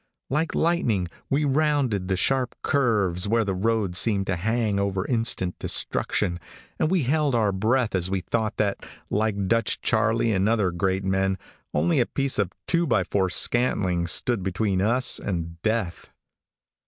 Like lightning we rounded the sharp curves where the road seemed to hang over instant destruction, and we held our breath as we thought that, like Dutch Charlie and other great men, only a piece of two by four scantling stood between us and death.